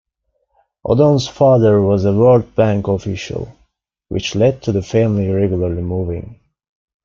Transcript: Odone's father was a World Bank official, which led to the family regularly moving.